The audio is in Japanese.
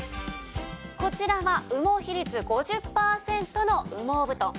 こちらは羽毛比率５０パーセントの羽毛布団。